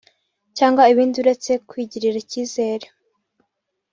cg ibindi uretse kwigirira icyizere